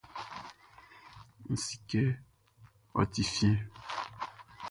N si kɛ ɔ ti fiɛn.